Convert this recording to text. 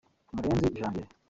Murenzi Janvier